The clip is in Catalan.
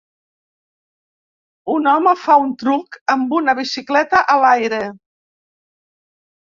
Un home fa un truc amb una bicicleta a l'aire.